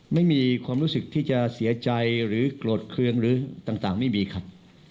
ไม่มีความรู้สึกที่จะเสียใจหรือโกรธเครื่องหรือต่างไม่มีครับ